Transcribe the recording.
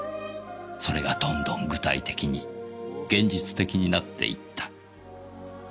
それがどんどん具体的に現実的になっていった。